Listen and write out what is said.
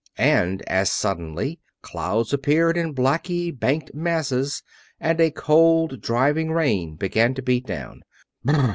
And as suddenly clouds appeared in blackly banked masses and a cold, driving rain began to beat down.